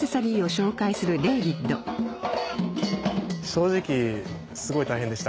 正直すごい大変でした。